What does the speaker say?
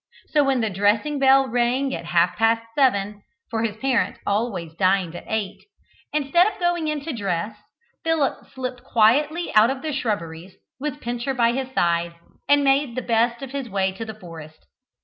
So when the dressing bell rang at half past seven (for his parents always dined at eight), instead of going in to dress, Philip slipped quietly out of the shrubberies, with Pincher by his side, and made the best of his way to the forest.